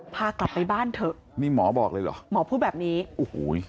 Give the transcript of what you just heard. พากลับไปบ้านเถอะนี่หมอบอกเลยเหรอหมอพูดแบบนี้โอ้โห